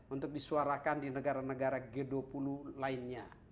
untuk disuarakan di negara negara g dua puluh lainnya